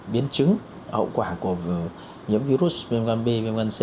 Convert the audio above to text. biến chứng hậu quả của nhiễm virus viêm gan b viêm gan c